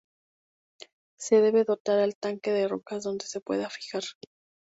Se debe dotar al tanque de rocas dónde se pueda fijar.